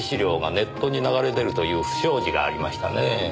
ネットに流れ出るという不祥事がありましたねぇ。